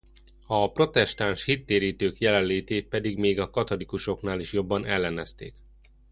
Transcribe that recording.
A protestáns hittérítők jelenlétét pedig még a katolikusoknál is jobban ellenezték.